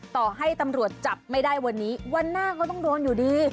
ต่อให้ตำรวจจับไม่ได้วันนี้วันหน้าก็ต้องโดนอยู่ดี